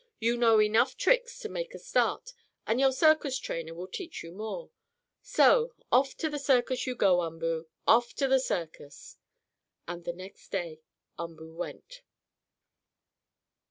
You know enough tricks to make a start, and your circus trainer will teach you more. So off to the circus you go, Umboo! Off to the circus!" And the next day Umboo went.